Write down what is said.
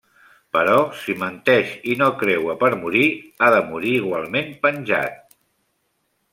Però si menteix i no creua per morir, ha de morir igualment penjat.